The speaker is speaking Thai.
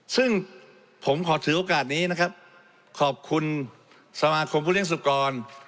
ซึ่งผมขอถือโอกาสนี้นะครับขอบคุณสมาคมผู้เลี้ยสุกร